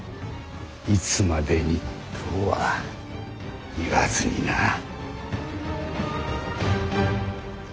いつまでにとは言わずにな。